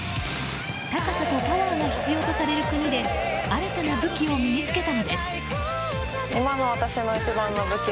高さとパワーが必要とされる国で新たな武器を身につけたのです。